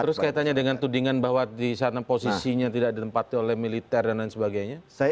terus kaitannya dengan tudingan bahwa di sana posisinya tidak ditempati oleh militer dan lain sebagainya